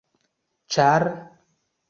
ĉar